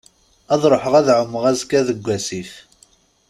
Ad ruḥeɣ ad εummeɣ azekka deg wasif.